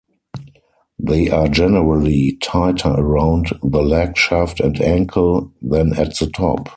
They are generally tighter around the leg shaft and ankle than at the top.